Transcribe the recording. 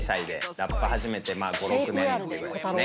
ラップ始めて５６年ってぐらいですね